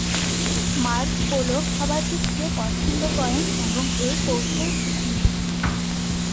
Marco Polo খাবারটি খেয়ে পছন্দ করেন এবং এর কৌশল শিখে নেন।